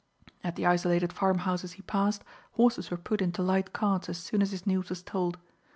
At the isolated farmhouses he passed, horses were put into light carts as soon as his news was told.